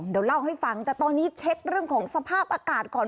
เดี๋ยวเล่าให้ฟังแต่ตอนนี้เช็คเรื่องของสภาพอากาศก่อน